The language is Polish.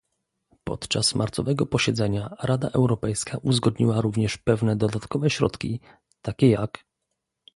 Podczas marcowego posiedzenia Rada Europejska uzgodniła również pewne dodatkowe środki, takie jak